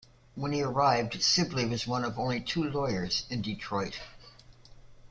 When he arrived, Sibley was one of only two lawyers in Detroit.